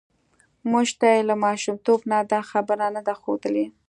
موږ ته یې له ماشومتوب نه دا خبره نه ده ښودلې